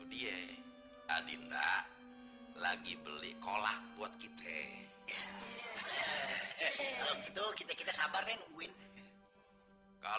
hai dia adinda lagi beli kolak buat kita